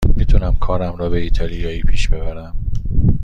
می تونم کارم را به ایتالیایی پیش ببرم.